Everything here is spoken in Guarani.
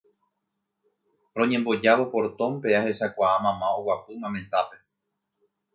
Roñembojávo portónpe ahechakuaa mama oguapýma mesápe